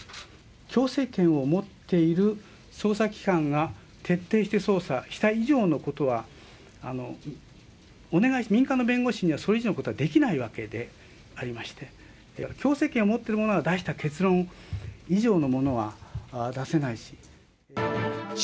強制権を持っている捜査機関が、徹底して捜査した以上のことは、お願いして、民間の弁護士にはそれ以上はできないわけでありまして、強制権を持ってるものが出した結論以上のものは出せないし。